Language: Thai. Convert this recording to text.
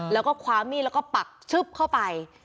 แล้วก็คว้ามีดแล้วก็ปักชึบเข้าไป